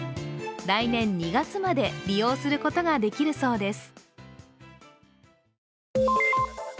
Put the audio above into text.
来年２月まで利用することができるそうです。